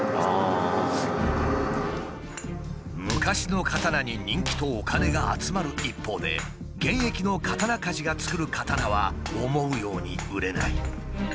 昔の刀に人気とお金が集まる一方で現役の刀鍛冶が作る刀は思うように売れない。